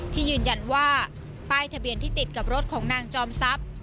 ที่ยืนยันว่าป้ายทะเบียนที่ติดกับรถของนางจอมทรัพย์